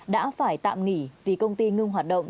đã phải tạm nghỉ vì công ty ngưng hoạt động